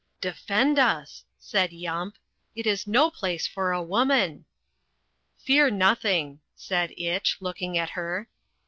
"Defend us," said Yump. "It is no place for a woman." "Fear nothing," said Itch, looking at her.